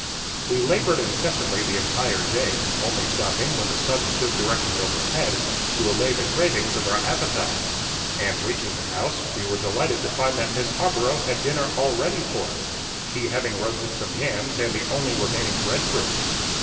We labored incessantly the entire day, only stopping, when the sun stood directly overhead, to allay the cravings of our appetites; and reaching the house, we were delighted to find that Miss Harborough had dinner all ready for us, she having roasted some yams and the only remaining bread fruit.